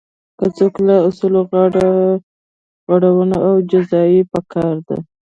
که څوک له اصولو غاړه غړوي نو جزا یې پکار ده.